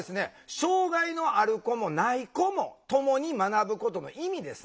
障害のある子もない子もともに学ぶことの意味ですね。